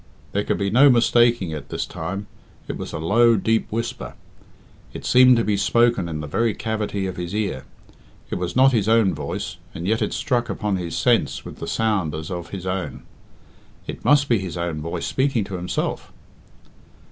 There could be no mistaking it this time. It was a low, deep whisper. It seemed to be spoken in the very cavity of his ear. It was not his own voice, and yet it struck upon his sense with the sound as of his own. It must be his own voice speaking to himself!